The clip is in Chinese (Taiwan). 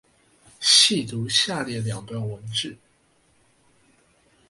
細讀下列兩段文字